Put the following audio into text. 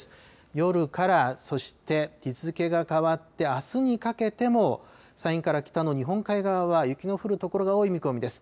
夜から、そして日付が変わってあすにかけても、山陰から北の日本海側は雪の降る所が多い見込みです。